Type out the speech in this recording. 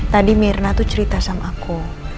tadi mirna tuh cerita sama aku